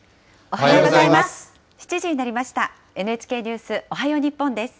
おはようございます。